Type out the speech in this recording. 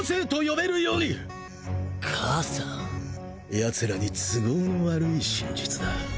奴らに都合の悪い真実だ。